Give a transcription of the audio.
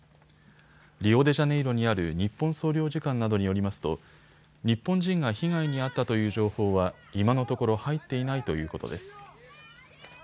リオデジャネイロにある日本総領事館などによりますと日本人が被害に遭ったという情報は今のところ入っていないということです。